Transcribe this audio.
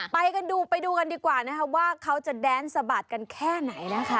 ไปกันดูไปดูกันดีกว่านะคะว่าเขาจะแดนสะบัดกันแค่ไหนนะคะ